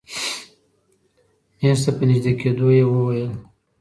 مېز ته په نژدې کېدو يې وويل.